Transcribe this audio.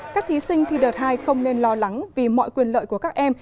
các thí sinh thi đợt hai không nên lo lắng vì mọi quyền lợi của các em